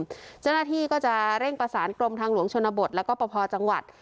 เจ้าหน้าที่ก็จะเร่งประสานกรมทางหลวงชนบทแล้วก็ประพอจังหวัด